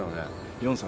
４歳。